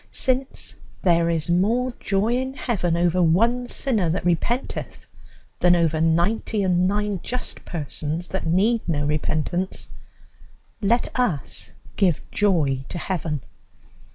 Since "there is more joy in heaven over one sinner that repenteth than over ninety and nine just persons that need no repentance," let us give joy to heaven.